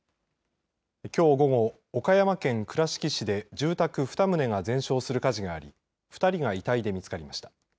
きょう午後岡山県倉敷市で住宅２棟が全焼する火事があり２人が遺体で見つかりました。